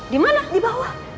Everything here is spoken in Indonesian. di mana di bawah